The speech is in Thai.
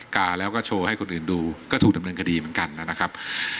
กาแล้วก็โชว์ให้คนอื่นดูก็ถูกดำเนินคดีเหมือนกันนะครับ